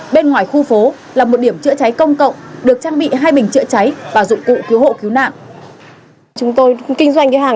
bên ngoài khu phố là một điểm chữa cháy công cộng được trang bị hai bình chữa cháy và dụng cụ cứu hộ cứu nạn